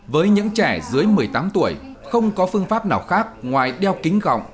với những trẻ dưới một mươi tám tuổi không có phương pháp nào khác ngoài đeo kính gọng